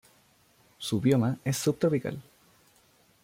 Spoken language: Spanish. Su bioma es subtropical.